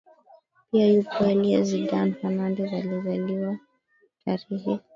Pia yupo Elyaz Zidane Fernandez aliyezaliwa tarehe